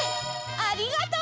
ありがとう！